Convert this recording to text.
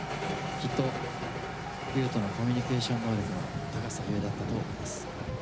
きっと優斗のコミュニケーション能力の高さゆえだったと思います。